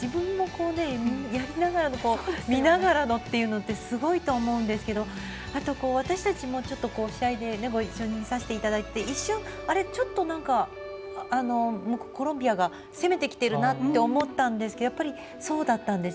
自分もやりながら見ながらのっていうのってすごいと思うんですけどあと、私たちも試合で、一緒に見させていただき一瞬、ちょっとコロンビアが攻めてきているなと思ったんですけどやっぱり、そうだったんですね。